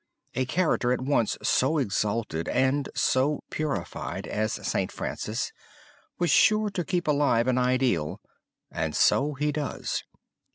A character at once so exhalted and so purified as St. Francis was sure to keep alive an ideal; and so he does.